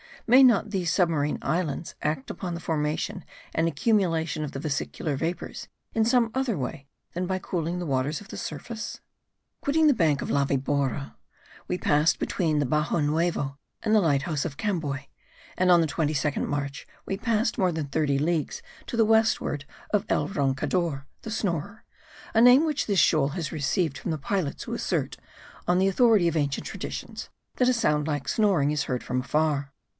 May not these submarine islands act upon the formation and accumulation of the vesicular vapours in some other way than by cooling the waters of the surface? Quitting the bank of La Vibora, we passed between the Baxo Nuevo and the light house of Camboy; and on the 22nd March we passed more than thirty leagues to westward of El Roncador (The Snorer), a name which this shoal has received from the pilots who assert, on the authority of ancient traditions, that a sound like snoring is heard from afar.